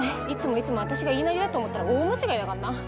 いつもいつも私が言いなりだと思ったら大間違いだかんな。